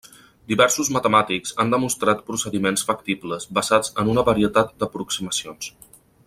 Diversos matemàtics han demostrat procediments factibles basats en una varietat d'aproximacions.